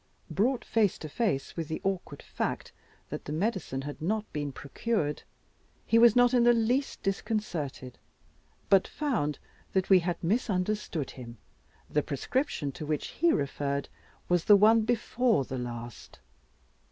Brought face to face with the awkward fact that the medicine had not been procured, he was not in the least disconcerted, but found that we had misunderstood him, the prescription to which he referred was the one before the last.